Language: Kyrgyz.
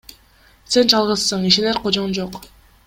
Сен жалгызсың, ишенер кожоң жок.